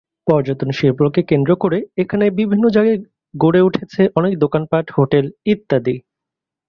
পর্যটন শিল্পকে কেন্দ্র করে এখানে বিভিন্ন জায়গায় গড়ে উঠেছে অনেক দোকানপাট, হোটেল ইত্যাদি।